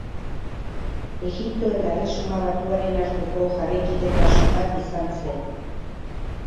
Egipto eta Erresuma Batuaren arteko jabekidetasun bat izan zen.